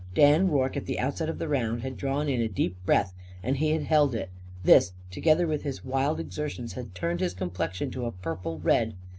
Dan Rorke, at the outset of the round, had drawn in a deep breath; and he had held it. This, together with his wild exertions, had turned his complexion to a purple red.